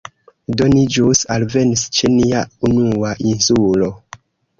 Do, ni ĵus alvenis ĉe nia unua insulo